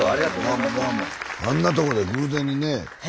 あんなとこで偶然にね